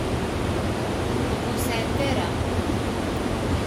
Ur sεant ara.